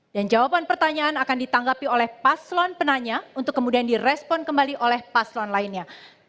dan jawaban pertanyaan akan ditanggapi oleh paslon penanya untuk kemudian direspon kembali oleh paslon lainnya